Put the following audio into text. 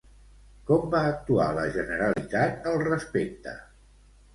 Com va actuar la Generalitat al respecte?